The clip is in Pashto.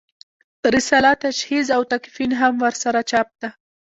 رساله تجهیز او تکفین هم ورسره چاپ ده.